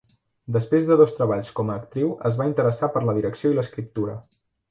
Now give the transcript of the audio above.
Després de dos treballs com a actriu es va interessar per la direcció i l'escriptura.